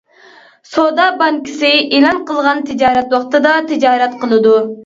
سودا بانكىسى ئېلان قىلغان تىجارەت ۋاقتىدا تىجارەت قىلىدۇ.